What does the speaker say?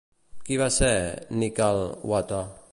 Qui va ser Nikkal-wa-ter?